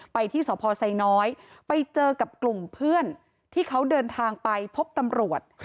ที่สพไซน้อยไปเจอกับกลุ่มเพื่อนที่เขาเดินทางไปพบตำรวจ